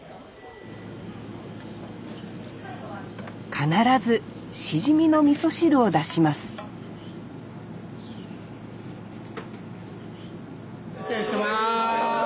必ずしじみのみそ汁を出します失礼します。